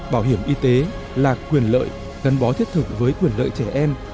bảo hiểm y tế là quyền lợi gắn bó thiết thực với quyền lợi trẻ em